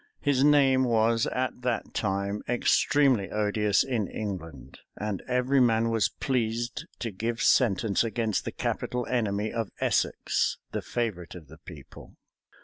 His name was at that time extremely odious in England; and every man was pleased to give sentence against the capital enemy of Essex, the favorite of the people.